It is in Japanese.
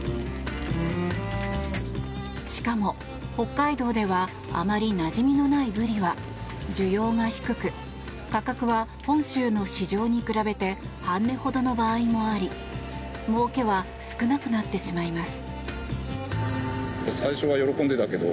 しかも北海道では、あまりなじみのないブリは需要が低く価格は本州の市場に比べて半値ほどの場合もありもうけは少なくなってしまいます。